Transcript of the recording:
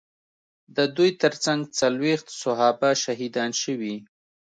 د دوی ترڅنګ څلوېښت صحابه شهیدان شوي.